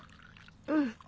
うん。